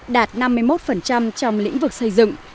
đạt năm mươi một trong lĩnh vực xây dựng